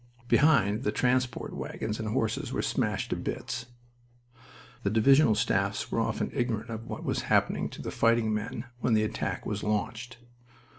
Behind, the transport wagons and horses were smashed to bits. The divisional staffs were often ignorant of what was happening to the fighting men when the attack was launched.